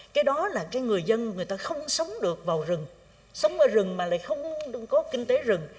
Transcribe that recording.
cái đó là cái người dân người ta không sống được vào rừng sống ở rừng mà lại không có kinh tế rừng